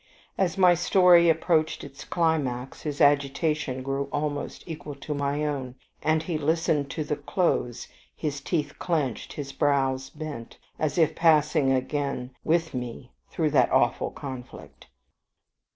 As my story approached its climax, his agitation grew almost equal to my own, and he listened to the close, his teeth clenched, his brows bent, as if passing again with me through that awful conflict.